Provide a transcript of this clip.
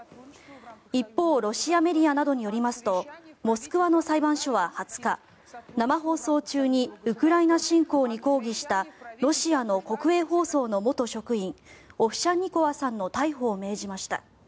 一方ロシアメディアなどによりますとモスクワの裁判所は２０日生放送中にウクライナ侵攻に抗議したロシアの国営放送の元職員オフシャンニコワさんの逮捕を命じました。